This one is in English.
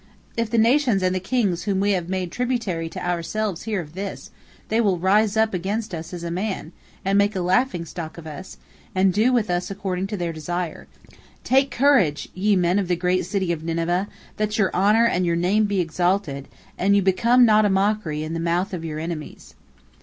If the nations and the kings whom we have made tributary to ourselves hear of this, they will rise up against us as a man, and make a laughing stock of us, and do with us according to their desire. Take courage, ye men of the great city of Nineveh, that your honor and your name be exalted, and you become not a mockery in the mouth of your enemies."